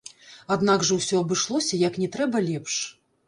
Аднак жа ўсё абышлося як не трэба лепш.